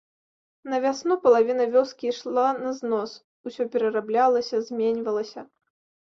На вясну палавіна вёскі ішла на знос, усё перараблялася, зменьвалася.